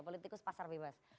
politikus pasar bebas